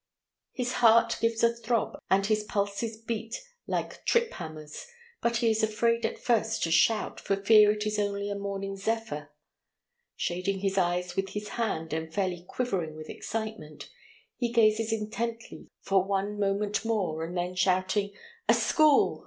His heart gives a throb, and his pulses beat like trip hammers, but he is afraid at first to shout, for fear it is only a morning zephyr. Shading his eyes with his hand, and fairly quivering with excitement, he gazes intently for one moment more, and then shouting, "A school!